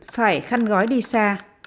phải khăn gói đi xa